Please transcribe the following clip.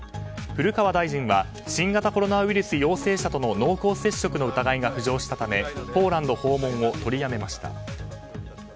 古川大臣は新型コロナウイルス陽性者との濃厚接触の疑いが浮上したためポーランド訪問を取りやめました。